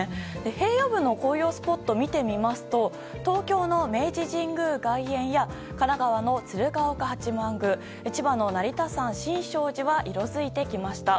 平野部の紅葉スポットを見てみますと東京の明治神宮外苑や神奈川の鶴岡八幡宮千葉の成田山新勝寺は色づいてきました。